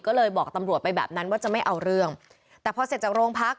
ก็เลยบอกตำรวจไปแบบนั้นว่าจะไม่เอาเรื่องแต่พอเสร็จจากโรงพัก